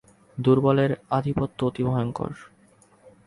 দুর্বলের আধিপত্য অতি ভয়ংকর।